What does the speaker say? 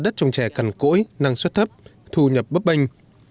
trồng trẻ cần cỗi năng suất thấp thu nhập bấp bênh